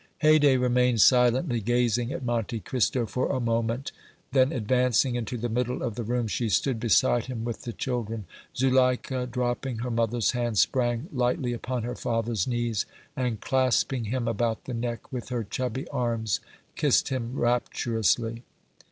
Haydée remained silently gazing at Monte Cristo for a moment; then, advancing into the middle of the room, she stood beside him with the children. Zuleika, dropping her mother's hand, sprang lightly upon her father's knees, and, clasping him about the neck with her chubby arms, kissed him rapturously.